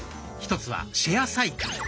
１つはシェアサイクル。